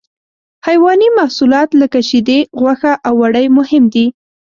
حیواني محصولات لکه شیدې، غوښه او وړۍ مهم دي.